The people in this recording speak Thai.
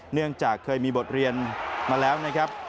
เนื่องจากเคยมีบทเรียนมาแล้วนะครับ